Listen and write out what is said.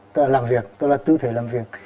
tức là làm việc tức là tư thể làm việc